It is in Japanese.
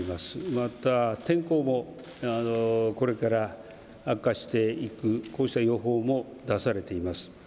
また、天候もこれから悪化していくこうした予報も出されています。